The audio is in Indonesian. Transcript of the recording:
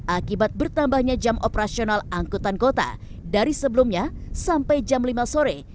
akibat bertambahnya jam operasional angkutan kota dari sebelumnya sampai jam lima sore